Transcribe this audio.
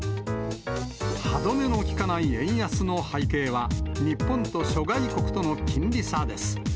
歯止めのきかない円安の背景は、日本と諸外国との金利差です。